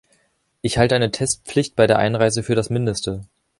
Ich halte eine Testpflicht bei der Einreise für das Mindeste.